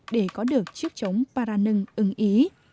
để có được chiếc trống paranưng ứng ý